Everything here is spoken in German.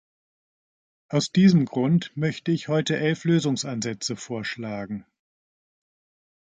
Aus diesem Grund möchte ich heute elf Lösungsansätze vorschlagen.